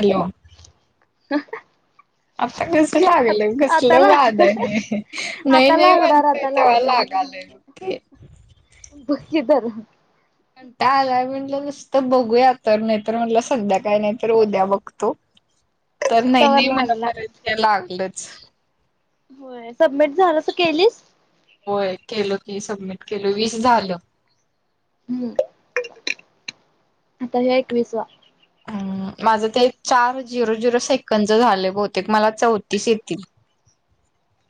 Hello ह आता कस लागलय कसल आता ला बाद आहे नाही आता नाही लागणार म्हणतेय आता तेव्हा लागणार लागाल ते बग की धर कंठाल आलाय म्हटलं नुसतं बघूया तर नाही तर म्हटलं संध्याकाल नाहीत उद्या बघतो तर नाही तवर नाही मणा लागला परत यायला लागलंच होय सबमिट झालं तर केलीस होय केलं की सबमिट केलं वीस झालं हम्म आता हे एक विसवा ह माझं ते चार झिरो झिरो सेकंद झाले बहतेक मला चौतीस येतील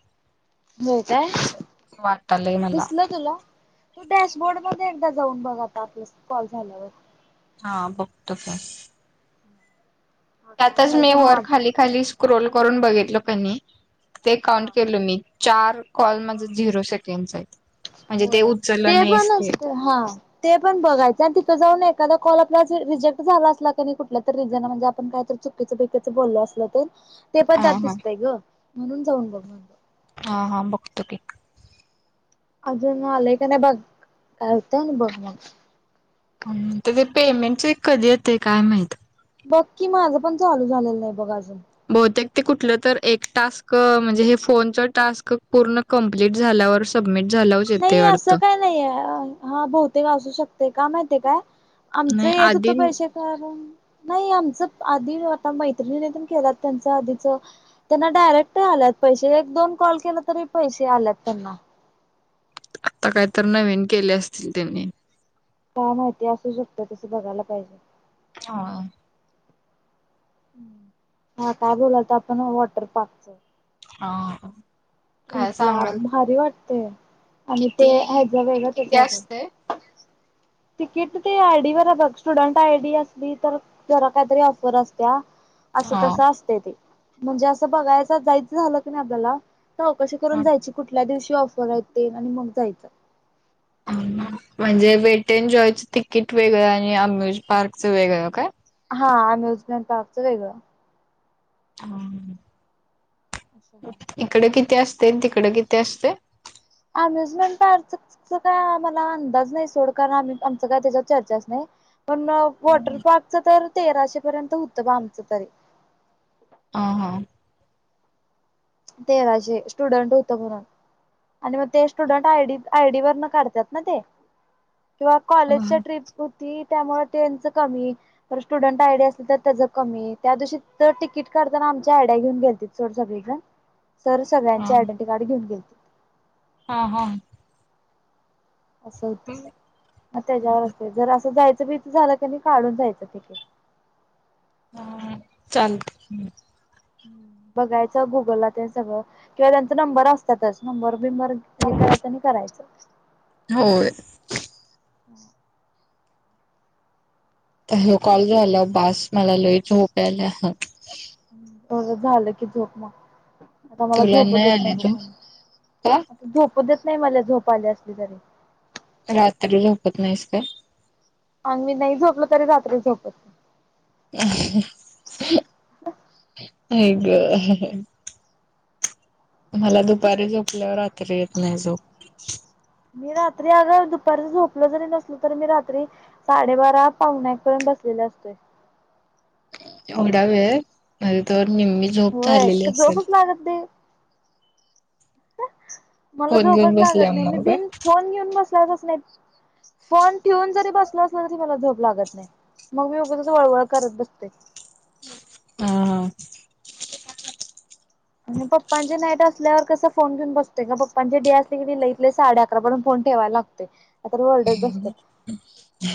[unintelligible] हो काय असं असं वाटालंय मला दिसल तुला तू डॅशबोर्ड मध्ये एकदा जाऊन बघा आप कॉल झाल्यावर हा बघतो फोन हा काय त्यातच म्हणाल मी तर वर हा खाली खाली स्क्रोल करून बघितलो पहिनी ते काउंट हा केलं मी चार कॉल माझ झिरो सेकंड आहेत म्हणजे ते होय उचललं ते पण नाहीसते असत हा [unintelligible] ते पण बघायचं आणि तित. जाऊन एखादा कॉल आपला रिजेक्ट झाला असला कुठ तर रिन म्हणजे आपण काहीत चुकीच पकीचं बोललो असल तर ते पण त्यात हा हा दिसतय ग म्हणून जाऊन बघ [unintelligible] हा हा बघतो की [inaudible] अ, जूना आलेकने बघ कायतन बघ म त्या ते पेमेंट चेक कधी येते काय माहित बघ की मगमाझं पण चालू झालेलं नाही बघ अजून बहुतेक ते कुठलं तर एक टास्क म्हणजे हे फोनच टास्क पूर्ण कमप्लीट झालावर सबमिट झाला नाही असं काय नाहीय हा बहतेक असू शकते का माहिित काय आमचं नाही येत होतं आधी पैसे कारण नाही आमचं आधी आता मैत्रिणीनेन केला त्यांच आधीच त्यांना डायरेक्ट आल्यात पैसे एक दोन कॉल केला तरी पैसे आल्यात त्यांना आता काही तर नवीन केले असतील त्यांनी काय माहिती असू शकत तस बघायला पाहिजे [inaudible] हा हा काय बोलालत आपण वॉटर पार्कच हा काय ट्रिपला सांगाल तू भारी वाटतय आणि किती ते ह्याचा तिकीट वेगळा किती त्याचा वेगळा असते तिकीट ते आयडी वर बघ स्टुडंट आय डी असली तर जरा काहीतरी ऑफर असत्या [unintelligible] [unintelligible] [unintelligible] असं हा तसं असते ते म्हणजे असं बघायचं जायचं झालं की नाही आपल्याला चौकशी करून जायची कुठल्या दिवशी ऑफर आहे ते आणि मग जायचं म्हणजे वेटे एन जॉयचं तिकीट वेगळं आणि अम्युज पार्कचं वेगळं काय हा आम्ही उजमन पार्कच वेगळं [unintelligible] हम [unintelligible] असं हाय इकडे किती असते तिकड किती असते अम्युजमेंट पार्क काय आम्हाला अंदाज नाही सोड कारण म्ही आमच काय त्याच्यात चर्चाच नाही पण वॉटर पार्कच तर तेराशे पर्यंत होतं बा आमचं तरी ह हां [unintelligible] तेराचे स्टुडंट होतं म्हणून [unintelligible] आणि मग ते स्टुडंट आय आयडी वर न काढतात ना ते किंवा कॉलेजच्या ह ट्रिप होती त्यामुळे त्यांच कमी तर स्टुडंट आयडी असल तर त्याचं कमी त्या दिवशी तर तिकीट काढताना आमच्या आयड्याया घेऊन गेलतील सगळेजण सर सग्यांचे आयडेंट कार् घेऊन गेतील हा हा असं होतं म त्याच्यावर असते जर असं जायचं बी तर झालं की नाही काढून जायचं तिकेट ह चाल [unintelligible] बघायचं गुगलला ते सगळं. किंवा त्यांचा नंबर असतातच नंबर बिंबर हे करायचं आणि करायचं होय. हम् कॉल झाला बस मला लोई झोप्या आले एढ झालं की झोप म आता मला तुला झोप देत नाही आली बघ झोप का? म्ह झोपू देत नाही मला झोप आली असली तरी रात्री झोपत नाहीस का आणि मी नाही झोपलो तरी रात्री झोपत नाही. [unintelligible] मला दुपारी झोपल्यावर रात्री येत नाही झोप मी रात्री अग दुपारीच झोपल जरी नसलो तरी मी रात्री साडेबारा पाउणेएक पर्यंत बसलेले असतोय. एवढा वेळ माझी तोवर निम्मी झोप होय झालेली असेल. [unintelligible] मला फोन घेऊन झोपच लागत बसल्या नाही मी मग काय? बिन फोन घेऊन बस. फोन ठेऊन जरी बसलो असलो तरी मला झोप लागत नाही. मग मी उगंचच वळवळ करत बसतय. [unintelligible] आणि पप्पांचे नाईट असल्यावर कसं फोन घेऊन बसते का पप्पांचे डे असली की ते लईत लई साडे अकरा पर्यंत फोन ठेवाय लागतो. आता ओरडत बसतात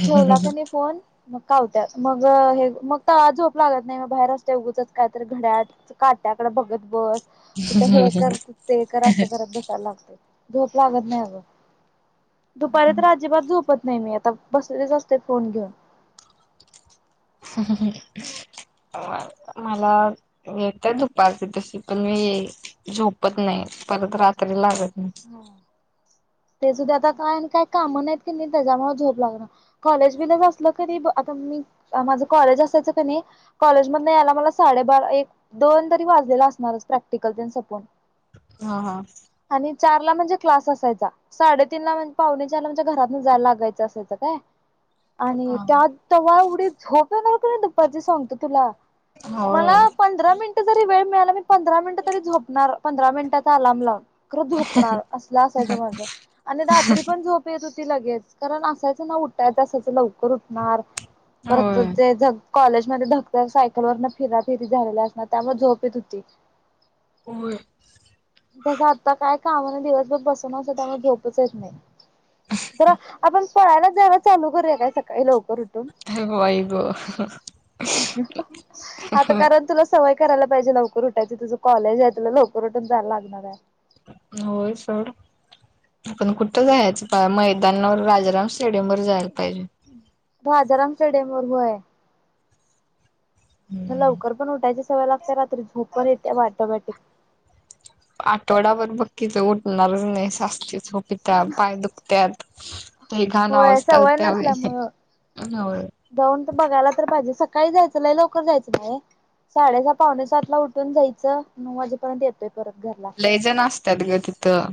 ठेवला का नाही फोन. मग कावत्यात मग हे मग तवा झोप लागत नाही मग बाहेर असते उगंच काय तर घड्याळ. काट्याकडे बघत बस कुठं हे कर ते कर असं करत बसायला लागत. झोप लागत नाही अगं दुपारी तर. हा. अजिबात झोपत नाही मी आता बसलेकी असते फोन घेऊन. [unintelligible] मला येतं दुपारची तशी पण मी येईन. झोपत नाही परत रात्री लागत नाही. ते सुद्धा आता काय काय कामं नाहीत की नाही त्याच्यामुळे झोप लागणा. कॉलेज बीलेज असलं की नाही आता मी माझं कॉलेज असायचं क नाही. कॉलेज मधन यायला मला साडेबारा एक. दोन तरी वाजलेला असणारच प्रॅक्टिकल ते सपून. हा हा. आणि चारला म्हणजे क्लास असायचा. साडेतीन ला म्हणजे पावणेचार ला म्हणजे घरातन जायलागायचं असायचं काय. आणि हा त्यात तवा एवढी झोप येणार की नाही दुपारची सांगतो तुला. मला होय. पंधरा मिनट. वेळ मिळाला मी पंधरा मिनट तरी झोपणार पंधरा मिनिटाचा अलार्म लावून. असल असायच माझ आणि रात्री पण झोप. येत होती लगेच कारण असायचं ना उठायच असायचं लवकर. खुरटणार परत होय ते. [unintelligible] कॉलेजमध्ये दगदग सायकल वरन फिराफिरी झालेली असणार त्यामुळे झोप येत होती. [unintelligible] तसं आता काय कामान दिवसभर बस. [unintelligible] पळायला जायला चालू करूया काय सकाळी लवकर उठून. हे बाई ग आता कारण तुला. सवय करायला पाहिजे लवकर उठायची तुझं कॉलेज आहे तु लवकर उठून जायला लागणार आहे. होय सोड आपण कुठं जायचं मैदानावर राजाराम. स्टेडियमवर जायला पाहिजे. राजाराम स्टेडियम वर व आहे,. हम्म लवकर पण उठायची सवय लागत्या, रात्री झोप पण येते ऑटोमॅटिक. आठवडाभर बघ की, तू उठणारच नाहीस असली झोप येत्या, पाय दुख त्यात लई घाण होय आवस्था सवय होत्या बाई, नसल्यामुळं होय. जाऊन तर बघायला तर पाहिजे, सकाळी जायचं लई लवकर जायचं नाहीय. साडेसहा -पावणेसात ला उठून जायचं नऊ वाजेपर्यंत येतय. ते परत घरला. लईजण असतात ग तिथं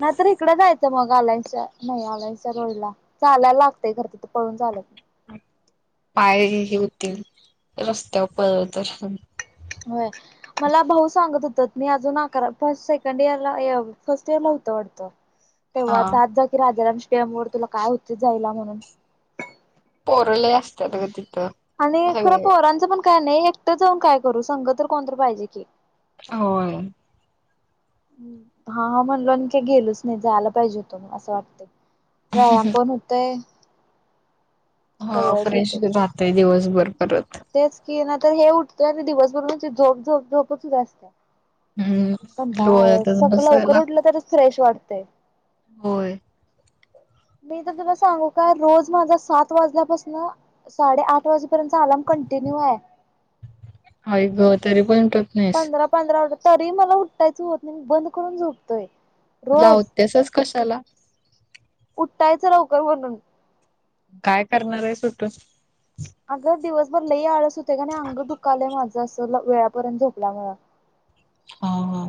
नाही तर इकडं जायचं मग, अयनसच्या नाही अलायन्सच्या रोड ला चालायला लागतय खरं, तिथं पळून चाल पायही हे होतील रस्त्यावर पळल तसं होय. मला भाऊ सांगत होत, मी अजून आ फर्स्ट, सेकंड इयर ला फर्स्ट इयर ला होतो वाटतं ह [unintelligible] तेव्हा जात जा की, राजाराम स्टेडियम वर तुला काय होतय जायला म्हणून पोर लय असत्यात ग तिथं आणि खरं सगळे पोरांचं पण काय नाही एकटं जाऊन काय करू संग तर कोणत पाहिजे की, होय. हा म्हणलो आणि गेलोच नाही, जायला पाहिजे होतो म असं वाटत. व्यायाम पण होतोय हा फ्रेश राहातय दिवसभर परत तेच की नाही तर हे उठत आणि दिवसभर ते झोप झोप झोपच असते. हम्म कंटाळ आलाय लोळतच असं बसायला लवकर उठलं तरच फ्रेश वाटते. होय. मी तर तुला सांगू का रोज माझा सात वाजल्यापासनं साडे आठ वाजेपर्यंत अलार्म कंटिन्यू आहे. आय गं तरी पण नाहीस पंधरा पंधरा, तरी मला उठायचं होत नाही मी बंद करून झोपतोय. रोज लावतेसच कशाला. उठायचं लवकर म्हणून. काय करणार आहे उठून? अगं दिवसभर लय आळस येतोय गं अंग दुखालय माझं असं वेळापर्यंत झोपल्यामुळ हा हा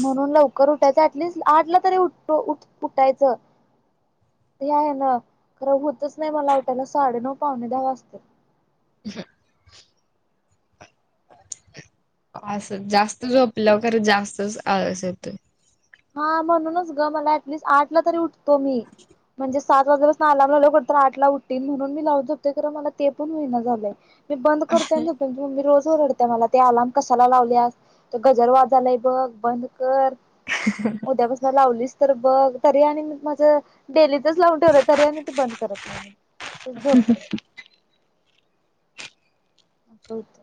म्हणून लवकर उठायचं अ ऍटलिस्ट आठला तरी उ उठायचं ह्या हे ना खरं होतच नाही मला उटायला साडेनऊ पाहणे दहा वाजत्यात. ह असं जास्त झोपल्यावर खरं जास्तच आळस येतोय. हा म्हणूनच ग मला ऍटलिस्ट आठ ला तरी उठतो मी म्हणजे सात वाजल्यापासून आलाम लावलं तर आठ ला उठन म्हणून मी लावून झोपते, मला ते पण होहिना झालंय मी बंद करतोय आणि झोपतो, मी रोज ओरडते मला ते अलार्म कशाला लावल्यास ते गजर वाजालाय बघ बंद कर हम् उद्यापासून लावलीस तर बघ तरी आणि म माझ डेलीच लावून ठेवलोय तरी आणि ती बंद करत नाही त झोपते असं होत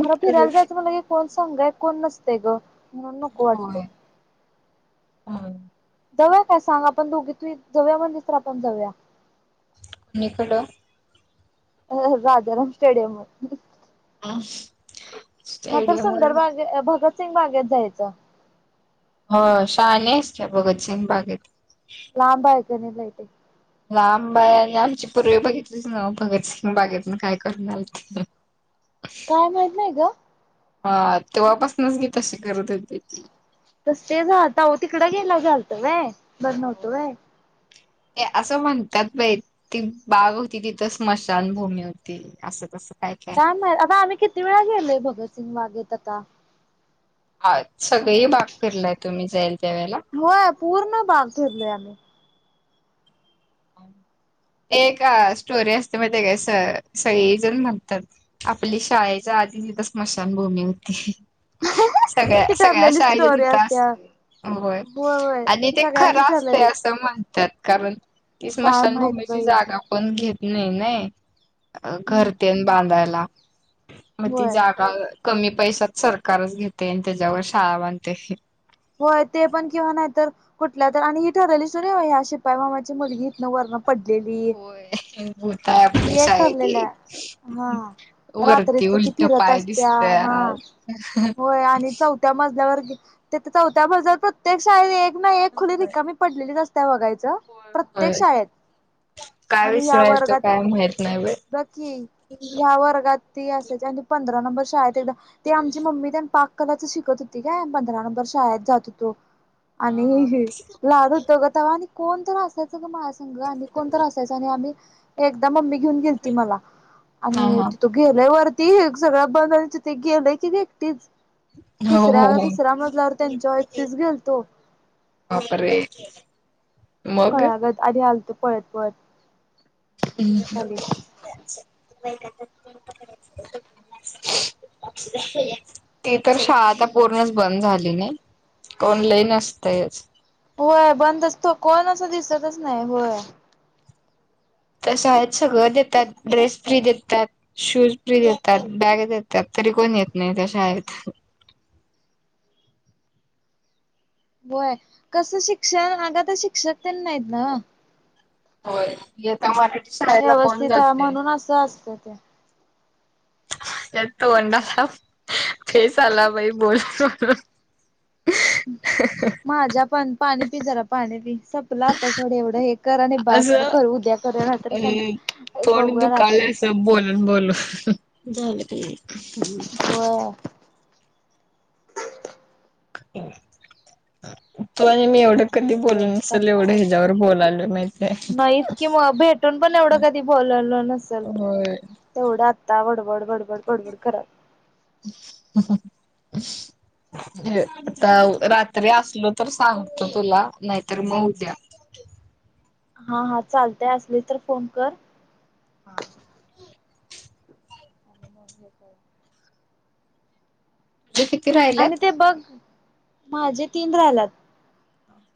खरं होय फिरायला जायचं म्हणलं क कोण सांग कोण नसतय ग म्हणून नको वाटतंय जाव्या काय सांग आपण दोघी तुही जवया म्हणजे तर आपण जऊया कुणीकडं राजाराम स्टेडियम हम ह तर सुंदर बागे भगतसिंग बागेत जायचं हो शहानेच त्या भगतसिंग बागेत लाब आहेयका नाही लये लांबाय आणि आमची पूर्वी बघितलीच ना भगतसिंग बागेतून काय करूनल ह [unintelligible] काय माहितय का हा तेव्हापासूनच गी तशी करत होती ती तस ते झातह तिकडं गेला लतं व ब नवतो होय. वय ते असं म्हणतात बाई ती बाग होती तिथं स्मशानभूमी होती असं तसं काय के आता आम्ही किती वेळा गेलोय भगतसिंग वागेत आता हा सगळे बाग फलाय तुम्ही जाईल त्यावेळेला होय पूर्ण भाग ठरलोय आम्ही एक स्टोरी असते मग ते का स सळी जण म्हणतात आपली शाळेच्या आधी तिथ स्मशानभूमी होती ती सगळ्या सगळ्या ठरलेली शाईच्या स्टोरी तिथं असत्या असते होय होय आणि ते खरं सगळ्यांची असते ठरलेली असं म्हणतात कारण ती काय माहित स्मशानभूमीची बाई जागा पण घेत नाही ना हम्म घरतेन बांधायला मग ती होय जागा कमी पैशात सरकारच घेते आणि त्याच्यावर शाळा बांधते होय ते पण किंवा नाहीत तर कुठल्या तर आणि ही ठरलेली सुर ह्या शिपाई मामाची मुलगी वर्ण पडलेली होय भूत आहे आपल्या एक शाळेत ठरलेलं एक. हा वरती रात्रीच ती उलट फिरत पाय असत्या हा दिसत्यात होय आणि चौ त्या मजल्यावर चौथ्या मजवर प्रत्येक शाळेेत एक ना एक खुली रिकामी पडलेलीच असत वघायच प्रत्येक होय. शाळेत काय आणि विषय या आहे तो वर्गात काय माहित नाही बाई. नकी ह्या वर्गात ती असाय आणि पंधरा नंबर शाळेत एकदा ते आमची मम्मी त्या पाक कलाच शिकत होती काय पंधरा नंबर शाळेत जात होतो हा हा. आणि लाड तगतावा आणि कोण तर असायचं ग महासंघ आणि कोणत असायच आणि आम्ही एकदा मम्मी घेऊन गेल ती मला हा आणि हा तिथ गेलंय वरती सगळं बंद त ते गेलंय की एकटीच हो हो तिसऱ्या हो तिसऱ्या मजल्यावर त्यांच्या एकटीच गेलतो बापर कळागत आधी आलतो पळत पत ह् [inaudible] ती तर शाळा आता पूर्णच बंद झाली नाही ऑनलाईन असतयच होय बंदचतो कोण असं दिसतच नाही होय तसं आहेत सगळं देतात ड्रेस फ्री देतात शूज फ्री देतात बॅग देतात तरी कोण येत नाही त्याशा येत होय कसं शिक्षण अग तर शिक्षक त्यांनी नाहीत ना होय येेत व्यवस्थित ह म्हणून असं असत ते यात वंडला फेस आला बाई बोल माझ्या पण पाणी पी जरा पाणी पी सपलं आता सथोडं एवढं हे कररा आणि भास ब असं कर उद्या करू राहात अ स बघूया राहातरी बोल हो [unintelligible] तो आणि मी एवढं कधी बोल नसेल, एवढं कंटाळा ह्याच्यावर बोलालो माहितीय. कठून पण एवढं कधी बोलल नसल, होय तेवढं आता बडबड बडबड बडबड कराऽ ता तरी असल तर सांगत तुला नाहीतर बऊ द्या हा हा चालतय असली तर फोन कर हा म्हणे का ते किती राहिऽ आणि ते बघ, माझे तीन राहिलात,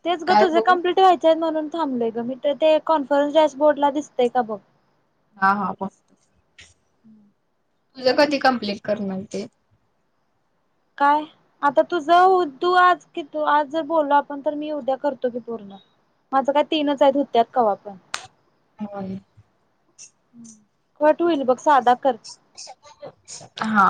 तेच ग काय तुझे बघू कंप्लीट व्हायचे. म्हणून थांबलोय इ,, म तर ते कॉन्फरन्सडॅ बोर्डला दिसतंय का बघ. हा हा बऽ तुझं कधी कंप्लेट करणार ते? काय? आता तूझ, तू आज कि तू आज जर बोलल आपण, तर मी उद्या करतो की पूर्ण. माझं काय तीनच आहेत, हुत्यात कावा पण. हा, खट होईल बघ, सादा कर. हा,